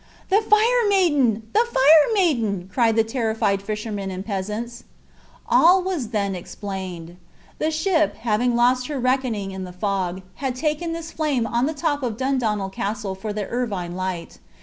"The Fire Maiden! the Fire Maiden!" cried the terrified fishermen and peasants. All was then explained. The ship, having lost her reckoning in the fog, had taken this flame on the top of Dundonald Castle for the Irvine light.